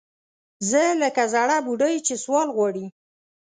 زه لکه زَړه بوډۍ چې سوال غواړي